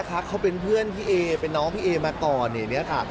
เขาเป็นเพื่อนพี่เอเป็นน้องพี่เอมาก่อนอย่างนี้ค่ะ